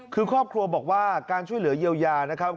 คือครอบครัวบอกว่าการช่วยเหลือเยียวยานะครับ